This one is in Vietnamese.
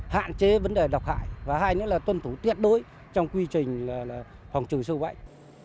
hạn chế vấn đề độc hại và hai nữa là tuân thủ tuyệt đối trong quy trình phòng trừ sâu bệnh